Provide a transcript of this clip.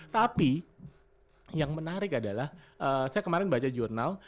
tapi yang menarik adalah saya kemarin baca jurnal